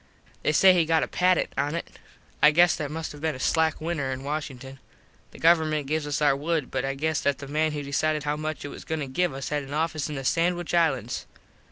They say he got a patent on it. I guess that must have been a slack winter in Washington. The government gives us our wood but I guess that the man who decided how much it was goin to give us had an office in the Sandwitch Islands.